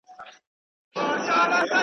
پر لکړه رېږدېدلی.